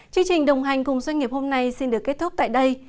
chương trình đồng hành cùng doanh nghiệp hôm nay xin được kết thúc tại đây